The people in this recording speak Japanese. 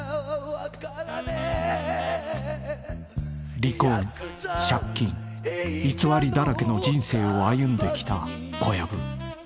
［離婚借金偽りだらけの人生を歩んできた小籔］